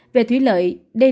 về thủy lợi